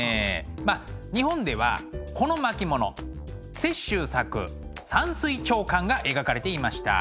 まあ日本ではこの巻物雪舟作「山水長巻」が描かれていました。